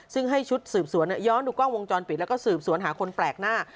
ซึ่งให้ชุดสืบสวนย้อนดูกล้องวงจรปิดแล้วก็สืบสวนหาคนแปลกหน้า